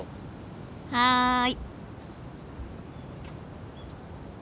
はい。